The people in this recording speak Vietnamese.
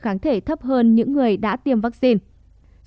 kháng thể thấp hơn những người đã tiêm vaccine